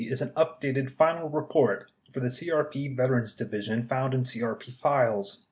50 59 is an undated "Final Report" for the CRP Vet erans Division found in CRP files.